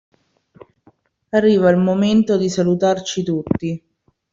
Arriva il momento di salutarci tutti.